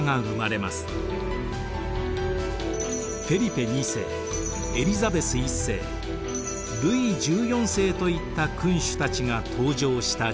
フェリペ２世エリザベス１世ルイ１４世といった君主たちが登場した時代。